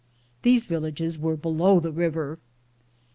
These villages were below the river.